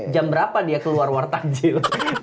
jam berapa dia keluar warna ta jil